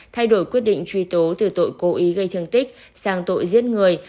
thay đổi quyết định truy tố từ tội cố ý gây thương tích sang tội giết người